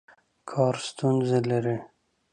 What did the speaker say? کار ستونزې لري.